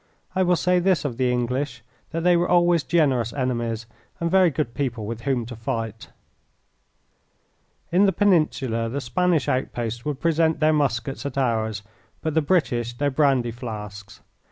I will say this of the English, that they were always generous enemies, and very good people with whom to fight. In the Peninsula the Spanish outposts would present their muskets at ours, but the British their brandy flasks.